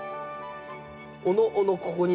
おのおのここにね